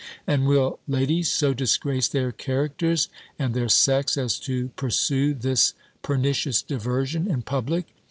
And will ladies so disgrace their characters, and their sex, as to pursue this pernicious diversion in public?"